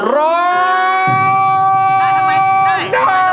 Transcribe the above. รอได้